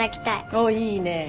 おっいいね。